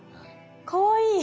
かわいい。